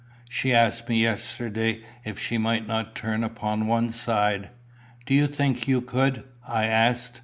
She asked me yesterday if she might not turn upon one side. 'Do you think you could?' I asked.